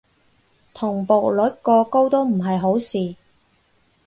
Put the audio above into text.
同步率過高都唔係好事